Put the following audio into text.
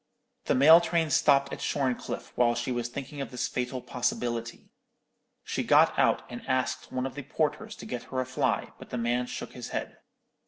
The mail train stopped at Shorncliffe while she was thinking of this fatal possibility. She got out and asked one of the porters to get her a fly; but the man shook his head.